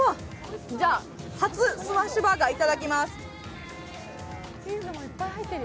初スマッシュバーガー、いただきます。